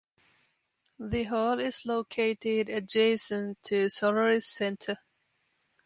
The hall is located adjacent to Solaris Center.